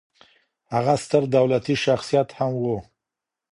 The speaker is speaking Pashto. هغه ستر دولتي شخصیت هم و